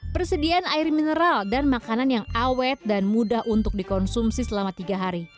persediaan air mineral dan makanan yang awet dan mudah untuk dikonsumsi selama tiga hari